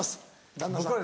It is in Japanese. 旦那さん。